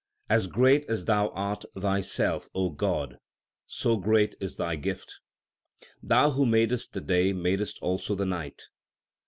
As great as Thou art Thyself, O God, so great is Thy gift. Thou who madest the day madest also the night.